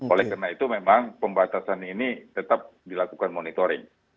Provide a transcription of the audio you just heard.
oleh karena itu memang pembatasan ini tetap dilakukan monitoring